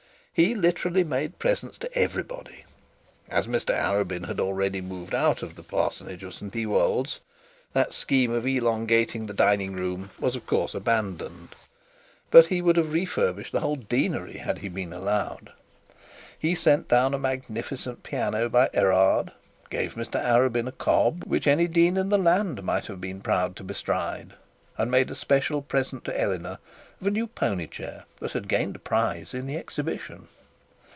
He literally made presents to everybody. As Mr Arabin had already moved out of the parsonage of St Ewold's, that scheme of elongating the dining room was of course abandoned; but he would have refurnished the whole deanery had he been allowed. He sent down a magnificent piano by Erard, gave Mr Arabin a cob which any dean in the land might have been proud to bestride, and made a special present to Eleanor of a new pony chair that had gained a prize in the Exhibition.